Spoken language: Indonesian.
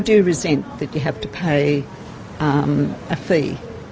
saya merasa ragu bahwa anda harus membeli